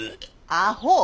アホ！